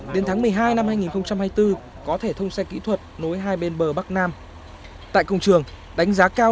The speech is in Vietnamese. đến tháng một mươi hai năm hai nghìn hai mươi bốn có thể thông xe kỹ thuật nối hai bên bờ bắc nam tại công trường đánh giá cao